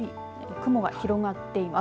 雲が広がっています。